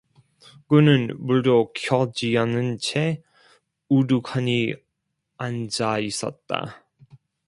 그는 불도 켜지 않은 채 우두커니 앉아 있었다.